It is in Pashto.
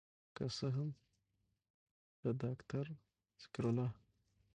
که څه هم د داکتر ذکر الله